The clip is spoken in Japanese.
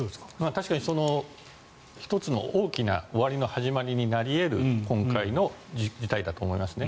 確かに１つの大きな終わりの始まりになり得る今回の事態だと思いますね。